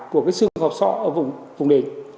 của cái xương hợp sọ ở vùng đỉnh